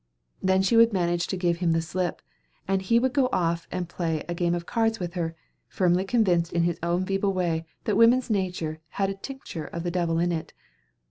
Then she would manage to give him the slip; and he would go off and play a game of cards with himself, firmly convinced in his own feeble way that woman's nature had a tincture of the devil in it.